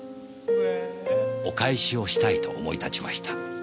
お返しをしたいと思い立ちました。